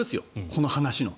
この話の。